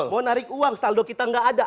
mau narik uang saldo kita nggak ada